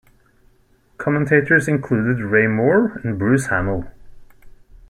Commentators included Ray Moore and Bruce Hammal.